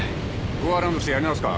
ゴーアラウンドしてやり直すか？